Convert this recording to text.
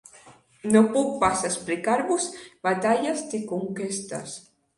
No puc pas explicar-vos batalles ni conquestes.